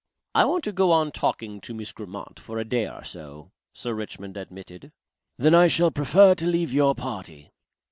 "I want to go on talking to Miss Grammont for a day or so," Sir Richmond admitted. "Then I shall prefer to leave your party."